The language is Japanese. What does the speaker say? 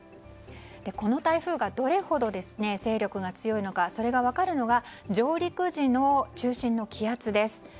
この台風がどれほど勢力が強いのかそれが分かるのが上陸時の中心の気圧です。